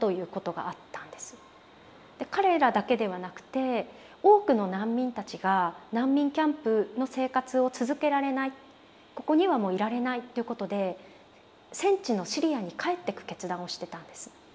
彼らだけではなくて多くの難民たちが難民キャンプの生活を続けられないここにはもういられないということで戦地のシリアに帰っていく決断をしてたんです。